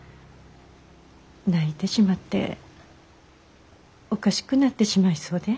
泣いてしまっておかしくなってしまいそうで。